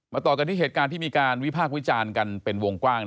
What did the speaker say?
ต่อกันที่เหตุการณ์ที่มีการวิพากษ์วิจารณ์กันเป็นวงกว้าง